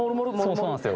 そうなんですよ